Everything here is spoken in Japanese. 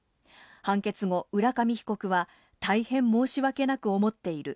判決後、浦上被告は大変申しわけなく思っている。